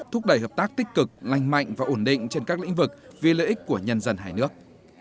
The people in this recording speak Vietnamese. thúc đẩy hợp tác tích cực lành mạnh và ổn định trên các lĩnh vực vì lợi ích của nhân dân hai nước